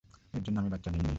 এর জন্য আমি, বাচ্চা নেই নাই।